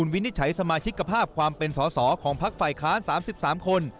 วินิจฉัยสมาชิกภาพความเป็นสอสอของพักฝ่ายค้าน๓๓คน